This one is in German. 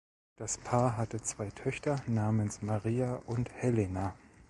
Das Paar hatte zwei Töchter namens Maria und Helena.